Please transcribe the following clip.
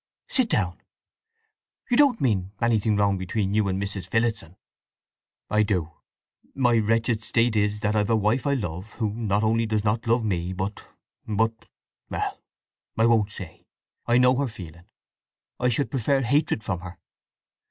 "Sit down. You don't mean—anything wrong between you and Mrs. Phillotson?" "I do… My wretched state is that I've a wife I love who not only does not love me, but—but— Well, I won't say. I know her feeling! I should prefer hatred from her!"